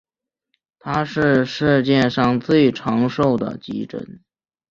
它是世界上最长寿的急诊。